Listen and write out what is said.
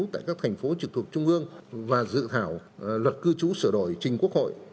tại các thành phố trực thuộc trung ương và dự thảo luật cư trú sửa đổi trình quốc hội